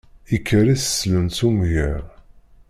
Ikker i teslent s umger.